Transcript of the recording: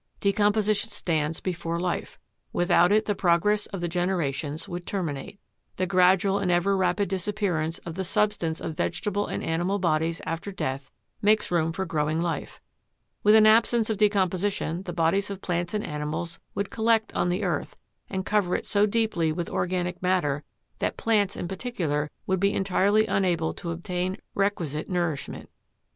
Decomposition stands before life; without it the progress of the generations would terminate. The gradual and ever rapid disappearance of the substance of vegetable and animal bodies after death makes room for growing life. With an absence of decomposition the bodies of plants and animals would collect on the earth and cover it so deeply with organic matter that plants in particular would be entirely unable to obtain requisite nourishment.